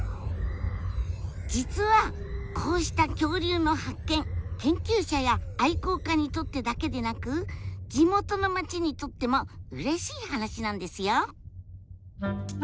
実はこうした恐竜の発見研究者や愛好家にとってだけでなく地元の町にとってもうれしい話なんですよ。